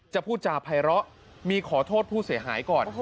พูดจาภัยเลาะมีขอโทษผู้เสียหายก่อน